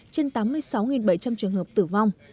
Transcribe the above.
trên tám mươi sáu bảy trăm linh trường hợp tử vong